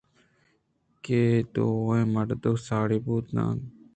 کہ اے دوئیں مِڑگ ءَ ساڑی بُو ت اَنت